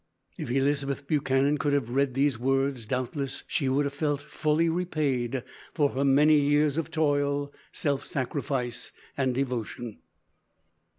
If Elizabeth Buchanan could have read these words, doubtless she would have felt fully repaid for her many years of toil, self sacrifice, and devotion.